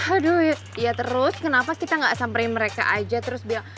aduh ya terus kenapa kita gak samperin mereka aja terus bilang